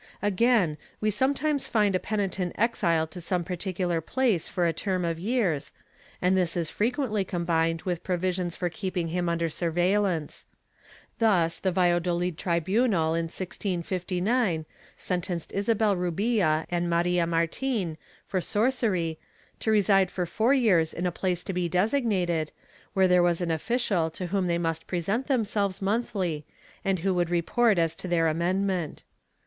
^ Again, we sometimes find a penitent exiled to some particular place for a term of years, and this is frequently combined with provisions for keeping him under surveillance. Thus the Valla doHd tribunal, in 1659, sentenced Isabel Rubfa and Marfa Martin, for sorcery, to reside for four years in a place to be designated, where there was an official to whom they must present themselves monthly and who would report as to their amendment.'